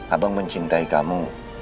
abang mencintai kamu